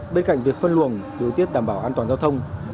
bên cạnh việc phân luồng điều tiết đảm bảo an toàn giao thông